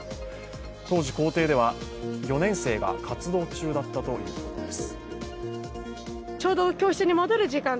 当時校庭では４年生が活動中だったということです。